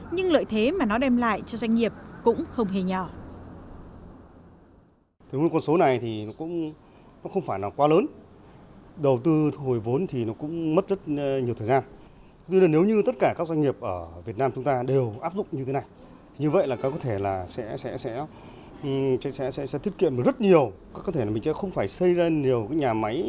nhưng lợi thế mà nó đem lại cho doanh nghiệp cũng không hề nhỏ